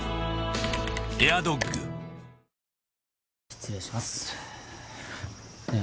失礼しますねえ